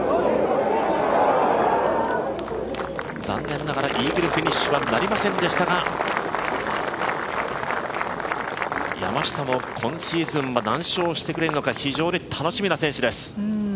残念ながらイーグルフィニッシュはなりませんでしたが、山下も、今シーズンは何勝してくれるのか、非常に楽しみな選手です。